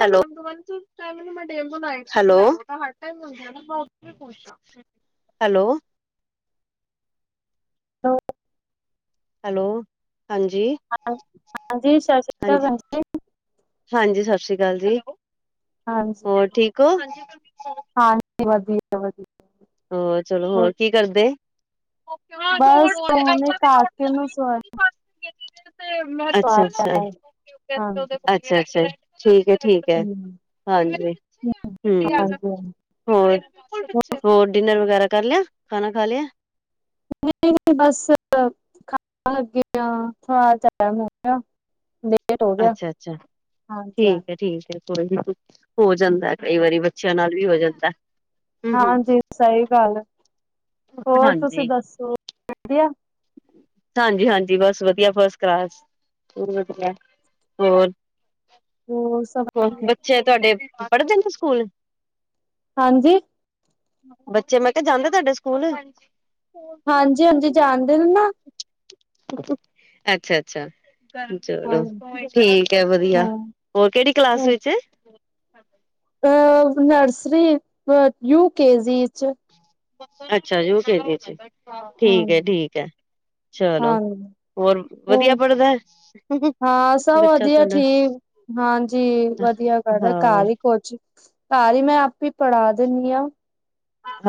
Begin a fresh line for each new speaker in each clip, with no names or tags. Hello hello hello
[inaudible]
hello, ਹਾਂਜੀ
hello ਹਾਂਜੀ ਸਤਿ ਸ਼੍ਰੀ ਅਕਾਲ ਭੈਣ ਜੀ
ਹਾਂਜੀ-ਹਾਂਜੀ ਸ਼ਸ੍ਰੀ ਅਕਾਲ ਜੀ ਹੋਰ ਠੀਕ ਹੋ
ਹਾਂਜੀ-ਹਾਂਜੀ ਵਧੀਆ-ਵਧੀਆ
ਹੋਰ ਚਲੋ ਹੋਰ ਕੀ ਕਰਦੇ
ਬਸ ਉਹਨੇ ਕਾਕੇ ਨੂ ਸ
ਅੱਛਾ-ਅੱਛਾ
ਹਾਂਜੀ
ਅੱਛਾ-ਅੱਛਾ, ਠੀਕ ਐ, ਠੀਕ ਐ, ਹਾਂਜੀ ਹਮ
ਹਾਂਜੀ-ਹਾਂਜੀ
ਹੋਰ, ਹੋਰ ਡਿਨਰ ਵਗੈਰਾ ਕਰ ਲਿਆ ਖਾਣਾ ਖਾ ਲਿਆ
ਹਾਂਜੀ ਬਸ ਖਾਣ ਲੱਗੇ ਆ [inaudible]
ਅੱਛਾ-ਅੱਛਾ,
ਹਾਂਜੀ
ਠੀਕ
ਹਾਂਜੀ
ਐ, ਠੀਕ ਐ ਉਹੀ ਹੋ ਜਾਂਦਾ ਕਈ ਵਾਰੀ ਬੱਚਿਆਂ ਨਾਲ ਵੀ ਹੋ ਜਾਂਦਾ ਹੂੰ-ਹੂੰ
ਹਾਂਜੀ ਸਹੀ ਗੱਲ ਹੋਰ ਤੁਸੀਂ
ਹਾਂਜੀ,
ਦੱਸੋ ਵਧੀਆ
ਹਾਂਜੀ -ਹਾਂਜੀ ਬਸ ਵਧ ਆਉਂਦੀ ਆ ਫਸਟ ਕਲਾਸ, ਹੋਰ
ਹੋਰ ਸਭ
ਹੂੰਛ
ਵਧੀਆ
ਬੱਚੇ ਤੁਹਾਡੇ ਪੜਦੇ ਨੇ ਸਕੂਲ
ਹਾਂਜੀ
ਬੱਚੇ ਮੈਂ ਕਿਹਾ ਜਾਂਦੇ ਤੁਹਾਡੇ ਸਕੂਲ
ਹਾਂਜੀ-ਹਾਂਜੀ ਜਾਣਦੇ ਨੇ ਨਾ
ਅੱਛਾ -ਅੱਛਾ।
ਹਾਂ
ਚਲੋ ਠੀਕ ਹੈ ਵਧੀਆ
ਹਾਂ
ਹੋਰ ਕਿਹੜੀ ਕਲਾਸ ਵਿੱਚ
ਅ ਨਰਸਰੀ ਅ ਯੂ ਕੇਜੀ ਚ
ਅੱਛਾ ਯੂਕੇਜੀ ਚ ਠੀਕ ਹੈ ਠੀਕ ਹੈ ਚਲੋ
ਹਾਂ
ਹੋਰ ਵਧੀਆ
ਹੂੰ,
ਪੜ੍ਹਦਾ
ਹਾਂ ਸਭ
ਬੱਚਾ
ਵਧੀਆ
ਤੁਹਾਡਾ
ਠੀਕ ਹਾਂਜੀ ਵਧੀਆ ਕਰ ਰਿ
ਹਾਂ
ਘਰ ਹੀ ਕੋਚ ਘਰ ਹੀ ਮੈਂ ਆਪ ਹੀ ਪੜ੍ਹਾ ਦਿੰਨੀ ਆ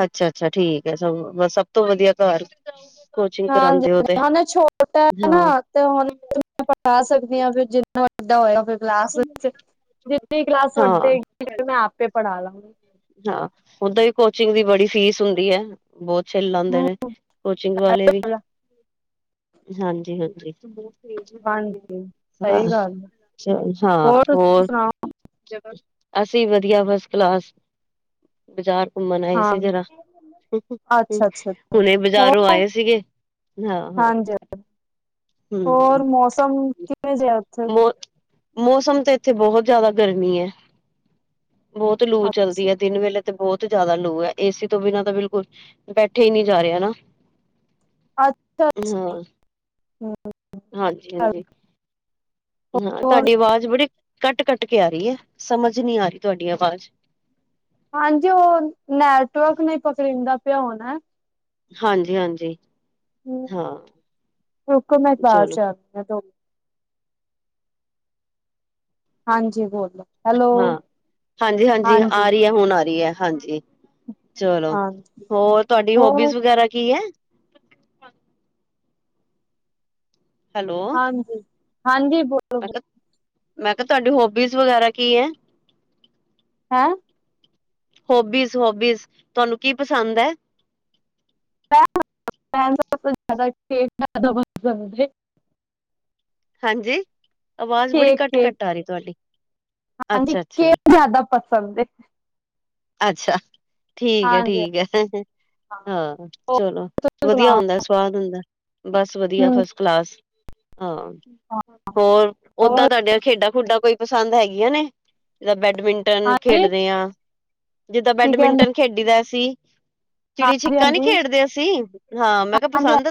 ਅੱਛਾ-ਅੱਛਾ ਠੀਕ ਹੈ ਸਗੋਂ ਸਭ ਤੋਂ ਵਧੀਆ ਘਰ ਕੋਚਿੰਗ
ਹਾਂਜੀ
ਕਰਾਂਦੇ ਓ ਤੇ
ਹ ਹੁਣ ਛੋਟਾ ਨਾ
ਹਾਂ,
ਤੇ ਹੁਣ ਪੜ੍ਹਾ ਸਕਦੀ ਹਾਂ ਫ ਜਿ ਵੱਡਾ ਹੋਇਆ ਫਿਰ ਕਲਾਸ ਵਿੱਚ ਜਿੰਨੀ ਕਲਾਸ
ਹਾਂ,
ਵੱਡੇਗੀ ਮੈਂ ਆਪੇ ਪੜ੍ਹਾ ਲਵਾ
ਹਾਂ ਓਦਾਂ ਵੀ ਕੋਚਿੰਗ ਦੀ ਬੜੀ ਫੀਸ ਹੁੰਦੀ ਹੈ, ਬਹੁਤ ਛਿਲ ਲਾਉਂਦੇ ਨੇ ਕੋਚਿੰਗ ਵਾਲੇ ਵੀ, ਹਾਂਜੀ -ਹਾਂਜੀ।
ਹਾਂਜੀ
ਹਾਂ,
ਸਹੀ ਗੱਲ
ਚ ਹਾਂ
ਤੁਸੀਂ
ਹੋਰ,
ਸੁਣਾਓ
ਅਸੀਂ ਵਧੀਆ ਬਸ ਕਲਾਸ ਬਾਜ਼ਾਰ ਘੁੰਮਣ ਆਏ
ਹਾਂ
ਸੀ ਜਰਾ
ਅੱਛਾ ਅੱਛਾ ਅੱਛਾ
ਹੁਣੇ
ਹੋਰ
ਬਜ਼ਾਰੋਂ ਆਏ ਸੀਗੇ, ਹਾਂ-ਹਾਂ।
ਹਾਂਜੀ
ਹੂੰ
ਹੋਰ ਮੌਸਮ ਕਿਵੇਂ ਜਿਹੇਹਾ ਉੱਥੇ
ਮੌ ਮੌਸਮ ਤੇ ਇੱਥੇ ਬਹੁਤ ਜਿਆਦਾ ਤੇ ਬਹੁਤ ਜ਼ਿਆਦਾ ਲੋਕ ਹੈ ਏਸੀ ਤੋਂ ਬਿਨਾਂ ਤਾਂ ਬਿਲਕੁਲ ਬੈਠੇ ਹੀ ਨਹੀਂ ਜਾ ਰਹੇ ਨਾ।
ਅੱਛਾ-ਅੱਛਾ
ਹਾਂ, ਹਾਂਜੀ-ਹਾਂਜੀ। ਹਾਂ
ਹੋਰ
ਤੁਹਾਡੀ ਆਵਾਜ਼ ਬੜੀ ਕੱਟ ਕੱਟ ਕੇ ਆ ਰਹੀ ਹੈ, ਸਮਝ ਨਹੀਂ ਆ ਰਹੀ ਤੁਹਾਡੀ ਆਵਾਜ਼।
ਹਾਂਜੀ ਉਹ ਨੈਟਵਰਕ ਨਹੀਂ ਪਕੜਦਾ ਪਿਆ ਹੋਣੈ।
ਹਾਂਜੀ-ਹਾਂਜੀ।
ਹੂੰ,
ਹਾਂ।
ਰਕੋ ਮੈਂ ਬਾਰ
ਚਲੋ,
ਦ ਹਾਂਜੀ ਬਹੁਤ।
ਹਾਂ, ਹਾਂਜੀ ਹਾਂਜੀ ਆ ਰਹੀ ਹੈ ਹੁਣ ਆ ਰਹੀ ਹੈ ਹਾਂਜੀ। ਚਲੋ,
ਹਾਂਜੀ
ਹੋਰ ਤੁਹਾਡੀ
ਹੋਰ
ਹੋਬੀਜ਼ ਵ ਹੈਲੋ।
ਹਾਂਜੀ, ਹਾਂਜੀ ਬੋਲੋ
ਮੈਂ
ਬੋਲੋ।
ਕਿਹਾ, ਮੈਂ ਕਿਹਾ ਤੁਹਾਡੀ ਹੋਬੀਜ਼ ਵਗੈਰਾ ਕੀ ਹੈ?
ਹੈਂ?
ਹੋਬੀਜ਼ ਹੋਬੀਜ਼ ਤੁਹਾਨੂੰ ਕੀ ਪਸੰਦ ਹੈ?
[unintelligible]
ਹਾਂਜੀ, ਅਵਾਜ਼ ਬੜੀ
ਕੇਕ
ਘੱਟ
ਕੇਕ
ਘੱਟ ਆ ਰਹੀ ਤੁਹਾਡੀ ਅੱਛਾ ਅੱਛਾ।
ਸੰਦੇ
ਅੱਛਾ। ਠੀਕ ਹੈ ਠੀਕ ਹੈ, ਹਾਂ
ਹੋਰ
ਚਲੋ
ਤੁਸੀਂ
ਵਧੀਆ
ਸੁਣਾਓ
ਹੁੰਦਾ ਸਵਾਦ ਹੁੰਦਾ। ਬਸ ਵਧੀਆ
ਹੂੰ
ਫਸਟ ਕਲਾਸ ਹਾਂ। ਹੋਰ ਓਦਾਂ
ਹੋਰ
ਤੁਹਾਡੀਆਂ ਖੇਡਾਂ ਖੁਡਾਂ ਕੋਈ ਪਸੰਦ ਹੈਗੀਆਂ ਨੇ ਜਿੱਦਾਂ ਬੈਡ ਬੈਡਮਿੰਟਨ
ਹਾਂਜੀ
ਖੇਡਦੇ ਹਾਂ, ਜਿੱਦਾਂ
ਕੀ ਕਹਿੰਦੇ
ਬੈਡਮਿੰਟਨ ਖੇਡੀ ਦਾ ਸੀ। ਚਿੜੀ
ਹਾਂਜੀ
ਛਿੱਕਾ ਨੀ
ਹਾਂਜੀ
ਖੇਡਦੇ ਅਸੀਂ ਹਾਂ ਮੈਂ ਕਿਹਾ
ਹਾਂਜੀ
ਪਸੰਦ